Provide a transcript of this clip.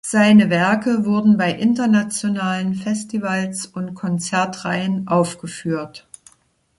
Seine Werke wurden bei internationalen Festivals und Konzertreihen aufgeführt.